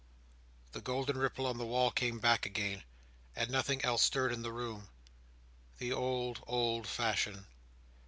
The golden ripple on the wall came back again, and nothing else stirred in the room. The old, old fashion!